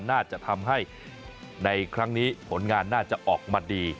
น่าจะทำให้ในครั้งนี้ผลงานน่าจะออกมาดี